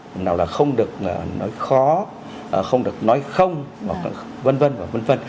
phần nào là không được nói khó không được nói không vân vân và vân vân